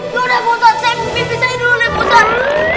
yaudah bosan saya mimpi mimpi saya dulu ya bosan